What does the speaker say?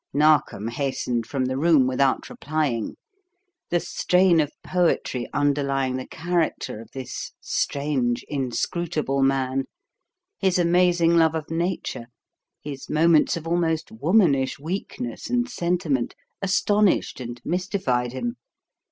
Narkom hastened from the room without replying. The strain of poetry underlying the character of this strange, inscrutable man, his amazing love of Nature, his moments of almost womanish weakness and sentiment, astonished and mystified him.